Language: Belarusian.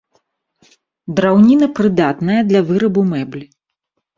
Драўніна прыдатная для вырабу мэблі.